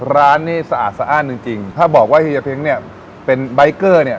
ร้านนี้สะอาดสะอ้านจริงจริงถ้าบอกว่าเฮียเพ้งเนี่ยเป็นใบเกอร์เนี่ย